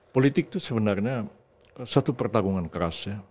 politik itu sebenarnya satu pertarungan keras ya